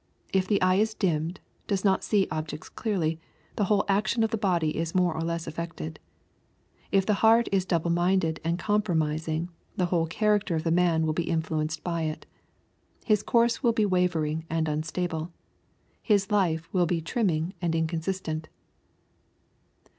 If the eye is dimmed — does not see objects clearly, the whole action of the body is more or lesa affected. If the heart is double minded and compromising, the whole character of the man will be influenced by it. His course will be wavering and unstable. His lile will be ti'imming and in consistent.